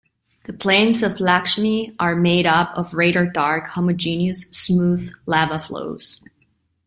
The plains of Lakshmi are made up of radar-dark, homogeneous, smooth lava flows.